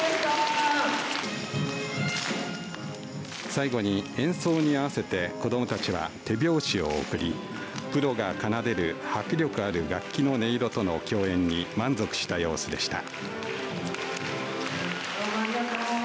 最後に演奏に合わせて子どもたちは手拍子を送り、プロが奏でる迫力ある楽器の音色との共演に満足した様子でした。